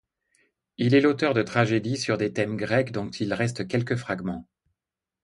Il est l'auteur de tragédies sur des thèmes grecs, dont il reste quelques fragments.